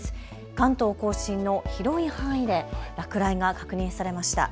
関東甲信の広い範囲で落雷が確認されました。